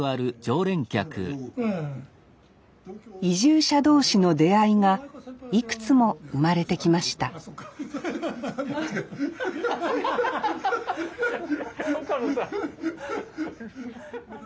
移住者同士の出会いがいくつも生まれてきました岡野さん。